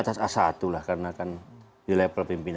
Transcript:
as susi i mercury lunc leu hang biden